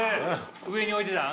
上に置いてたん？